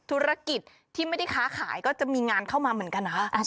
โอ้โฮเหนื่อยมาก